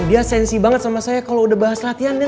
dia sensi banget sama saya kalo udah bahas latihan